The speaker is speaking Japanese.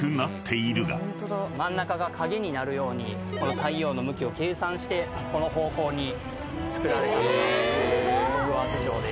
真ん中が影になるように太陽の向きを計算してこの方向に造られたのがホグワーツ城です。